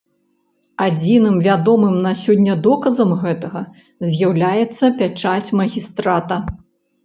Адзіным вядомым на сёння доказам гэтага з'яўляецца пячаць магістрата.